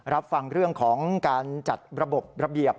รับฟังเรื่องของการจัดระบบระเบียบ